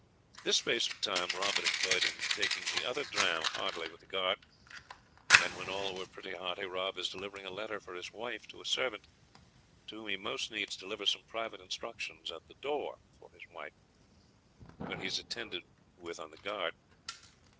This space of time Rob had Imployed in taking the other dram heartily wt the Guard & qn all were pretty hearty, Rob is delivering a letter for his wife to a servant to whom he most needs deliver some private instructions at the Door (for his wife) where he's attended wt on the Guard.